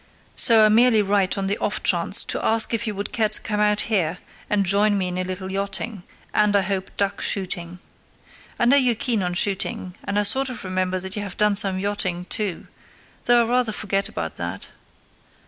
So I merely write on the offchance to ask if you would care to come out here and join me in a little yachting, and, I hope, duck shooting. I know you're keen on shooting, and I sort of remember that you have done some yachting too, though I rather forget about that.